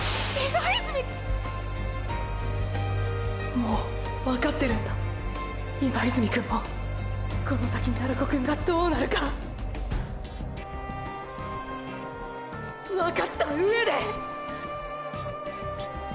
もうわかってるんだ今泉くんもーーこの先鳴子くんがどうなるかわかった上でーー！！